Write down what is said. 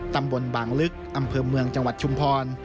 ตำบลบางลึกอำเภอเมืองจังหวัดชุมพร